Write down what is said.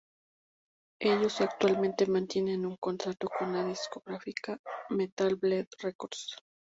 Ellos actualmente mantienen un contrato con la discográfica Metal Blade Records.